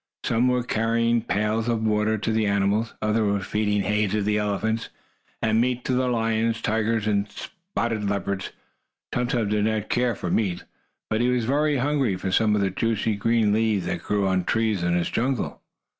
Some were carrying pails of water to the animals, others were feeding hay to the elephants, and meat to the lions, tigers and spotted leopards. Tum Tum did not care for meat, but he was very hungry for some of the juicy, green leaves that grew on trees in his jungle.